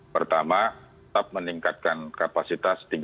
pertama tetap meningkatkan kapasitas tiga